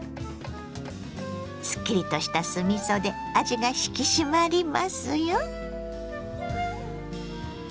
すっきりとした酢みそで味が引き締まりますよ。